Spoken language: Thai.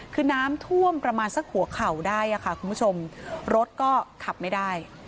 คือน้ำท่วมประมาณสักหัวเข่าได้ค่ะคุณผู้ชมรถก็ขับไม่ได้